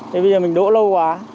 thế bây giờ mình đỗ lâu quá